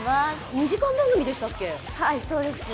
２時間番組でしたっけ。